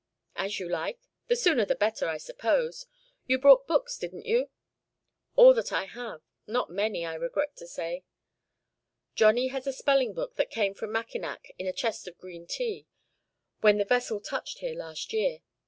"As you like. The sooner the better, I suppose. You brought books, didn't you?" "All that I have; not many, I regret to say." "Johnny has a spelling book that came from Mackinac in a chest of green tea, when the vessel touched here last year.